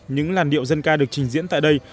những làn điệu dân ca được trình diễn tại đây